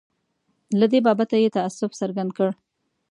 له دې بابته یې تأسف څرګند کړ.